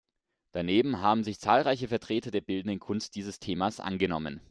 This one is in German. Daneben haben sich zahlreiche Vertreter der bildenden Kunst dieses Themas angenommen.